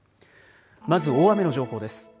まず大雨の情報です。